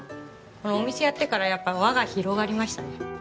お店やってからやっぱ輪が広がりましたね。